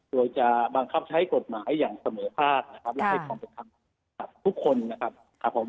โดยจะบังคับใช้กฎหมายอย่างเสมอภาคนะครับและให้ความเป็นธรรมกับทุกคนนะครับครับผม